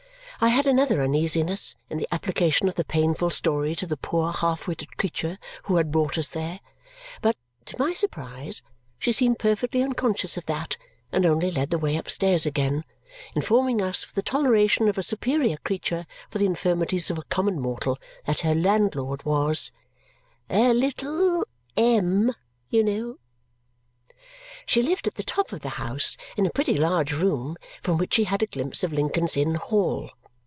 I had another uneasiness, in the application of the painful story to the poor half witted creature who had brought us there; but, to my surprise, she seemed perfectly unconscious of that and only led the way upstairs again, informing us with the toleration of a superior creature for the infirmities of a common mortal that her landlord was "a little M, you know!" She lived at the top of the house, in a pretty large room, from which she had a glimpse of Lincoln's Inn Hall.